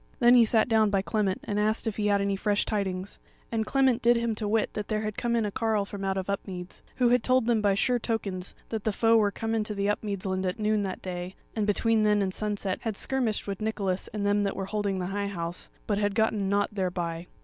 Then he sat down by Clement and asked if he had any fresh tidings; and Clement did him to wit that there had come in a carle from out of Upmeads, who had told them by sure tokens that the foe were come into the Upmeads land at noon that day, and between then and sunset had skirmished with Nicholas and them that were holding the High House, but had gotten nought thereby.